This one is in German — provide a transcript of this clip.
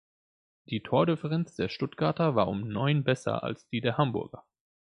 Die Tordifferenz der Stuttgarter war um neun besser als die der Hamburger.